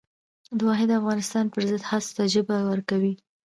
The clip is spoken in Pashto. د واحد افغانستان پر ضد هڅو ته ژبه ورکوي.